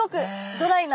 ドライな。